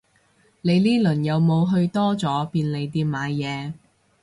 你呢輪有冇去多咗便利店買嘢